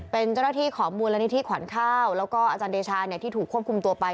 เป็นเจ้าหน้าที่ของมูลนิธิขวัญข้าวแล้วก็อาจารย์เดชาที่ถูกควบคุมตัวไป